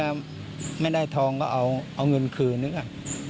เขาบอกว่าถ้าไม่ได้ทองก็เอาเงินคืนนึกอ่ะ